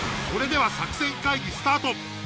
それでは作戦会議スタート。